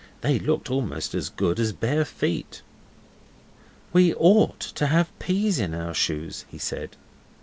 They really looked almost as good as bare feet. 'We OUGHT to have peas in our shoes,' he said.